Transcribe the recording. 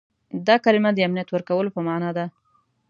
دا کلمه د امنیت ورکولو په معنا ده.